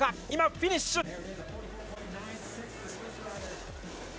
今、フィニッシュ。